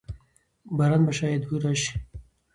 باران به شاید راشي.